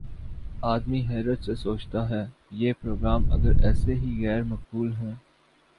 آدمی حیرت سے سوچتا ہے: یہ پروگرام اگر ایسے ہی غیر مقبول ہیں